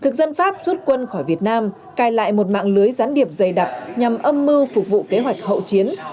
các quân khỏi việt nam cài lại một mạng lưới gián điệp dày đặc nhằm âm mưu phục vụ kế hoạch hậu chiến